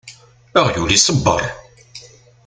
Aɣyul isebber.